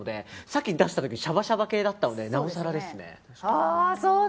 さっき出した時シャバシャバ系だったのでなおさらですね。